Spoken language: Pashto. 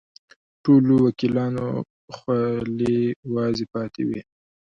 ټولو وکیلانو خولې وازې پاتې وې.